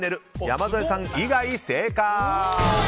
山添さん以外正解。